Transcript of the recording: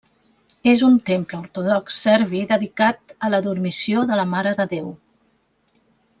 És un temple ortodox serbi, dedicat a la Dormició de la Mare de Déu.